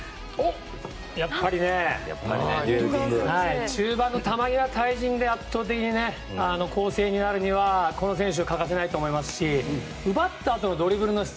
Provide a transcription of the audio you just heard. やっぱりね中盤の球際、対人で圧倒的に攻勢になるにはこの選手が欠かせないと思いますし奪ったあとのドリブルの質